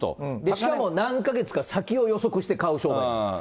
しかも何か月か先を予測して買う商売ですから。